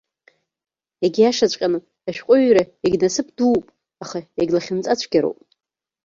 Иагьиашаҵәҟьаны, ашәҟәыҩҩра иагьнасыԥ дууп, аха иагьлахьынҵацәгьароуп.